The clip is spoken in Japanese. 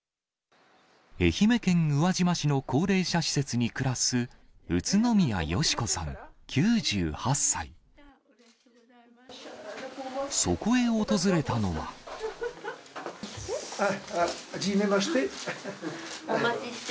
愛媛県宇和島市の高齢者施設に暮らす、宇都宮淑子さん９８歳。はじめまして。